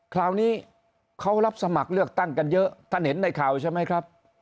คราวนี้เขารับสมัครเลือกตั้งกันเยอะท่านเห็นในข่าวใช่ไหมครับ